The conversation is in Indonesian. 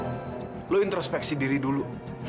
kamu introspeksi diri dulu